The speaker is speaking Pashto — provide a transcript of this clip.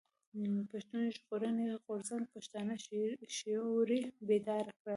پښتون ژغورني غورځنګ پښتانه شعوري بيدار کړل.